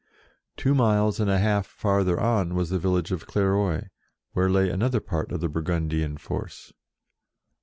Two miles and a half farther on was the village of Clairoix, where lay another part of the Burgundian force.